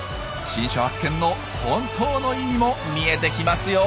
新種発見の本当の意味も見えてきますよ！